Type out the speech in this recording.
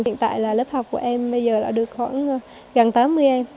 hiện tại là lớp học của em bây giờ đã được khoảng gần tám mươi em